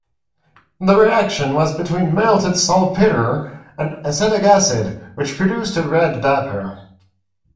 The reaction was between melted saltpetre and acetic acid which produced a red vapor.